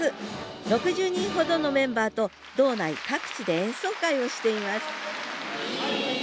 ６０人ほどのメンバーと道内各地で演奏会をしています